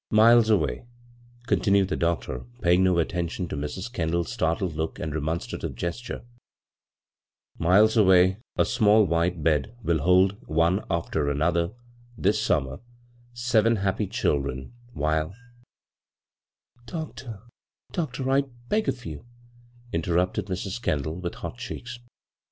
Miles away "— continued the doctor, payuig no attention to Mrs. Kendall's startled look and remonstrative gesture, " miles away a small white bed will hold one after another, this summer, seven happy children, while "" Doctor, doctor, I beg of you I " inter rupted Mrs. Kendall, with hot cheeks.